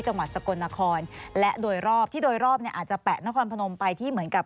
จังหวัดสกลนครและโดยรอบที่โดยรอบเนี่ยอาจจะแปะนครพนมไปที่เหมือนกับ